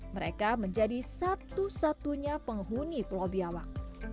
mereka menjadi satu satunya penghuni pulau biawak